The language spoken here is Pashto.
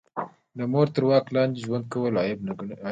د مور تر واک لاندې ژوند کول عیب ګڼل کیږي